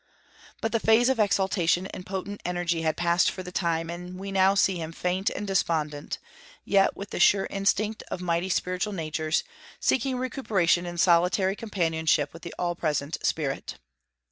But the phase of exaltation and potent energy had passed for the time, and we now see him faint and despondent, yet, with the sure instinct of mighty spiritual natures, seeking recuperation in solitary companionship with the all present Spirit.